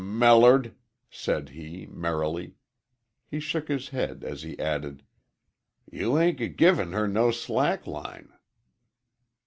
"Mellered!" said he, merrily. He shook his head as he added, "You ain't g givin' her no slack line."